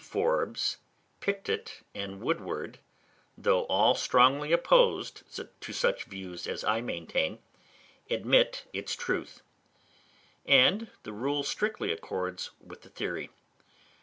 Forbes, Pictet, and Woodward (though all strongly opposed to such views as I maintain) admit its truth; and the rule strictly accords with the theory.